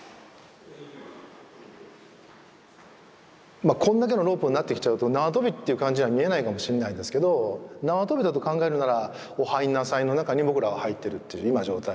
まあこんだけのロープになってきちゃうと縄跳びっていう感じには見えないかもしんないんですけど縄跳びだと考えるなら「お入んなさい」の中に僕らは入ってるって今状態。